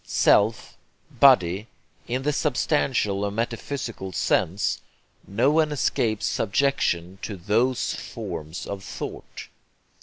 'Self,' 'body,' in the substantial or metaphysical sense no one escapes subjection to THOSE forms of thought.